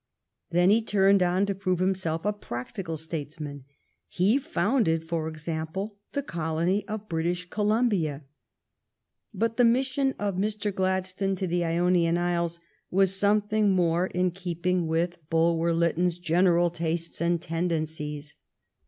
Then he turned on to prove himself a practical statesman. He founded, for example, the Colony of British Columbia. But the mission of Mr. Gladstone to the Ionian Islands was something more in keeping with Bulwer Lytton's general tastes and tendencies.